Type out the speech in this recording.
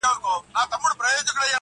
زما په مینه کي دا ټول جهان سوځیږي-